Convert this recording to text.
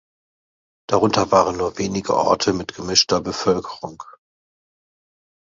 Darunter waren nur wenige Orte mit gemischter Bevölkerung.